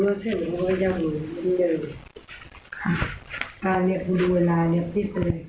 ไม่เป็นไรมันจะเห็นว่ายังอยู่มันจะอยู่